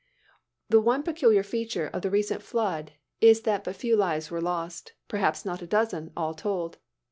The one peculiar feature of the recent flood is that but few lives were lost perhaps not a dozen, all told.